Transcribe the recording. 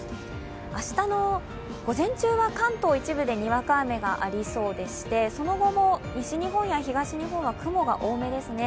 明日の午前中は関東一部で、にわか雨がありそうでして、その後も西日本や東日本は雲が多めですね。